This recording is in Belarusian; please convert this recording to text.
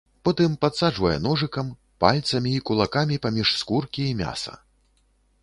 Потым падсаджвае ножыкам, пальцамі і кулакамі паміж скуркі і мяса.